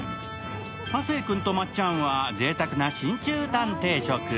亜生君とまっちゃんはぜいたくな真中たん定食。